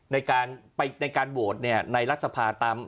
ในการโวท์ในรัฐสภาษณ์